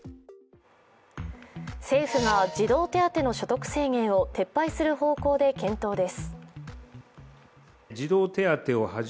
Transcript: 政府が児童手当の所得制限を撤廃する方向で検討です。